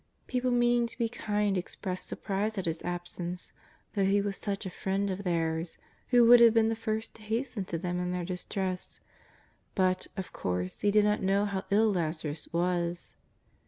People meaning to be kind expressed surprise at His absence, thought He was such a Friend of theirs who would have been the first to hasten to them in their distress, but, of course. He did not know how ill Laza rus w^as.